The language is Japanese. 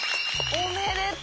おめでとう！